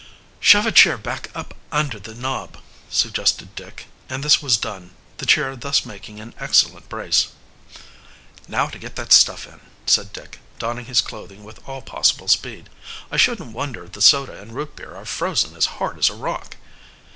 "Shove a chair back up under the knob," suggested Dick, and this was done, the chair thus making an excellent brace. "Now to get that stuff in," said Dick, donning his clothing with all possible speed. "I shouldn't wonder if the soda and root beer are frozen as hard as a rock."